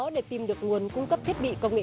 viên được người này giới thiệu rất chi tiết